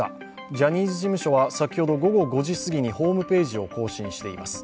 ジャニーズ事務所は先ほど午後５時すぎにホームページを更新しています。